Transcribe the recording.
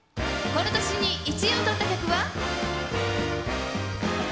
この年に１位を取った曲は？